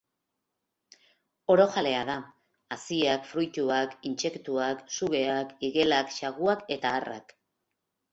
Orojalea da: haziak, fruituak, intsektuak, sugeak, igelak, saguak eta harrak.